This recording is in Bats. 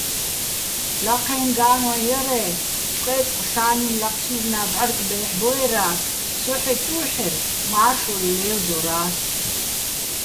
ლაჴეჼ გა́ლვაჼ ჲარ-ე́, წყე́წყ სა́ნინ ლაჴშირნა́ ბჵარკ ბე́ჰ̦ბოერა́ს, სო ჰ̦ეჭუ́ჰ̦ერ, მა́რშოლ ლე́ვდორას.